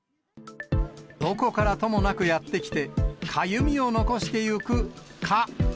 どこからともなくやって来て、かゆみを残してゆく蚊。